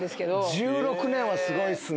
１６年はすごいっすね。